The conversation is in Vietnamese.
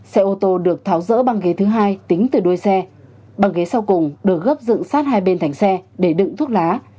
xe ô tô được tháo rỡ bằng ghế thứ hai tính từ đuôi xe bằng ghế sau cùng được gấp dựng sát hai bên thành xe để đựng thuốc lá